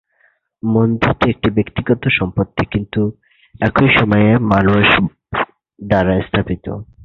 মন্দিরটি একটি ব্যক্তিগত সম্পত্তি কিন্তু একই সময়ে বহু মানুষ দ্বারা স্থাপিত।